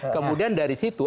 kemudian dari situ